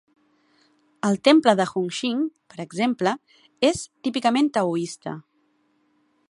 El temple de Hung Shing, per exemple, és típicament taoista.